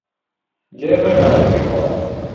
لێ مەگەڕێ بیخوات.